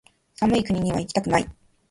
寒い国にはいきたくない